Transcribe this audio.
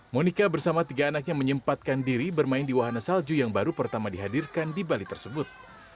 monica bersama tiga anaknya menyempatkan diri bermain di wahana salju yang baru pertama dihadirkan di bali tersebut